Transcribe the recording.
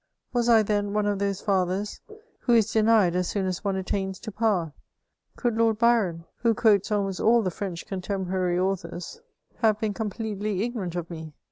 Was I, then, one of those fathers who is denied as soon as one attains to power ? Could Lord Byron, who quotes almost all the French contemporary authors have been completely ignorant CHATEAUBRIAND. 433 of me